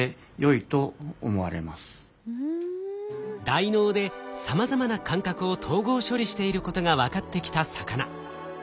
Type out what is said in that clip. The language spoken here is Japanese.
大脳でさまざまな感覚を統合処理していることが分かってきた魚。